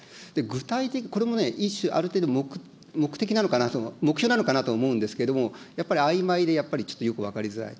具体的、これもね、一種、ある程度、目的なのかな、目標なのかなと思うんですけれども、やっぱりあいまいでやっぱりちょっとよく分かりづらい。